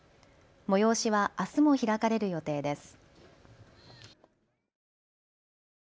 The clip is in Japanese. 催しはあすも開かれる予定です。